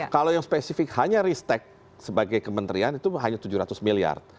kalau yang spesifik hanya ristek sebagai kementerian itu hanya tujuh ratus miliar